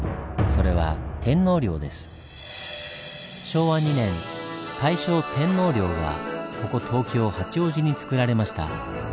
昭和２年大正天皇陵がここ東京・八王子に造られました。